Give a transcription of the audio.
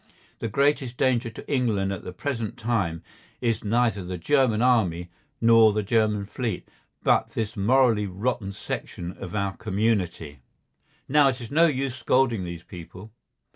The greatest danger to England at the present time is neither the German army nor the German fleet, but this morally rotten section of our community. Now it is no use scolding these people.